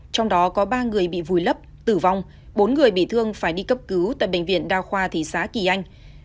trong đó có ba người bị vùi lấp tử vong bốn người bị thương phải đi cấp cứu tại bệnh viện đa khoa thị xã kỳ anh